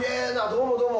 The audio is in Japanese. どうもどうも。